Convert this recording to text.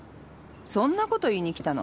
そんなこと言いに来たの？